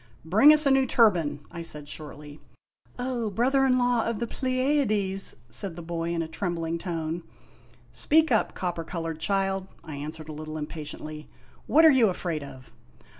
" Bring us a new turban," I said shortly. "O Brother in Law of the Pleiades " said the boy in a trem bling tone. O " Speak up, copper colored child," I answered a little impatiently. "What are you afraid of?